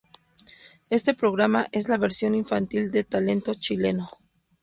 Este programa es la versión infantil de Talento chileno.